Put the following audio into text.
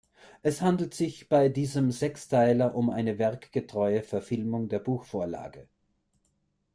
Es handelt sich bei diesem Sechsteiler um eine werkgetreue Verfilmung der Buchvorlage.